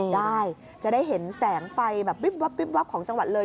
ได้จะได้เห็นแสงไฟแบบวิบวับวิบวับของจังหวัดเลย